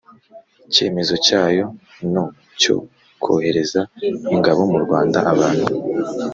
Kemezo cyayo no cyo kohereza ingabo mu rwanda abantu